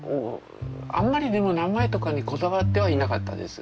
あんまりでも名前とかにこだわってはいなかったです。